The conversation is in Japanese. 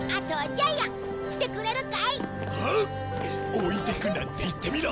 置いていくなんて言ってみろ。